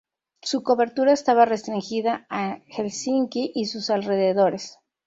Su cobertura estaba restringida a Helsinki y sus alrededores.